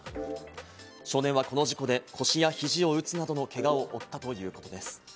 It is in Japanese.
少年はこの事故で腰や肘を打つなどのけがを負ったということです。